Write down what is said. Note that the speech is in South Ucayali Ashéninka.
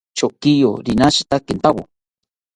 Chokiyo rinashita kintawo